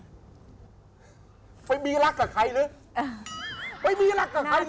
ชัดเจนมากเลยอย่าขึ้นอย่าขึ้น